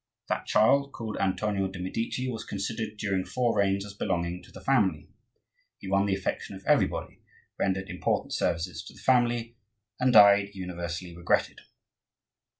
That child, called Antonio de' Medici, was considered during four reigns as belonging to the family; he won the affection of everybody, rendered important services to the family, and died universally regretted.